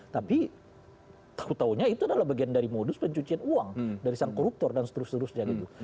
tapi tahu tahunya itu adalah bagian dari modus pencucian uang dari sang koruptor dan seterusnya gitu